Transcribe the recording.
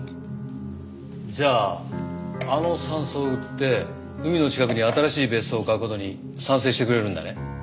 じゃああの山荘を売って海の近くに新しい別荘を買う事に賛成してくれるんだね？